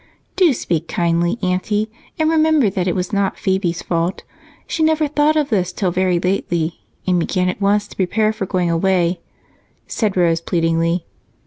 "Do speak kindly, Aunty, and remember that it was not Phebe's fault. She never thought of this till very lately and began at once to prepare for going away," said Rose pleadingly.